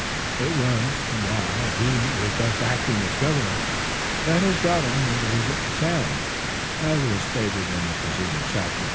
It was while he was thus acting as governor that his daughter made a visit to Salem as was stated in the preceding chapter.